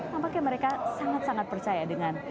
nampaknya mereka sangat sangat percaya dengan